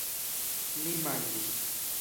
Ni manĝis.